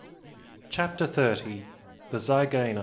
CHAPTER THIRTY. THE ZYGAENA.